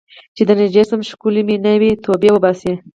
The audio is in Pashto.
چې درنږدې شم ښکلوې مې نه ، توبې وباسې